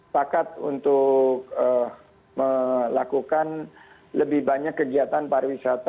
pakat untuk melakukan lebih banyak kegiatan pariwisata